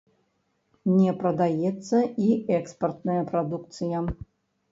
Не прадаецца і экспартная прадукцыя.